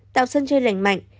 tạo sân chơi lành mạnh